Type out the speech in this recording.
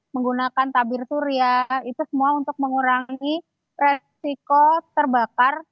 menggunakan tabir surya itu semua untuk mengurangi resiko terbakar